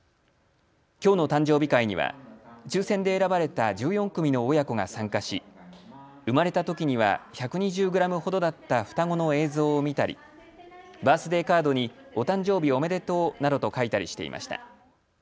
きょうの誕生日会には、抽せんで選ばれた１４組の親子が参加し、産まれたときには１２０グラムほどだった双子の映像を見たり、バースデーカードにお誕生日おめでとうなどと書いたりしていました。